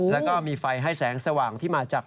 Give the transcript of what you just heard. แล้วก็มีไฟให้แสงสว่างที่มาจาก